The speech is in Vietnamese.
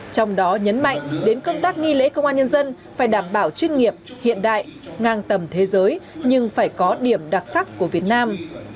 trong đó nhấn mạnh đến công tác nghi lễ công an nhân dân phải đảm bảo chuyên nghiệp hiện đại ngang tầm thế giới nhưng phải có điểm đặc sắc của việt nam